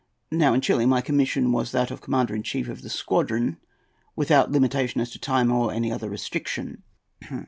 Now, in Chili my commission was that of commander in chief of the squadron, without limitation as to time or any other restriction.